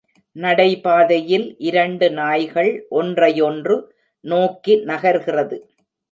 நடைபாதையில் இரண்டு நாய்கள் ஒன்றையொன்று நோக்கி நகர்கிறது.